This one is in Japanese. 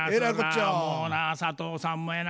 もうな佐藤さんもやな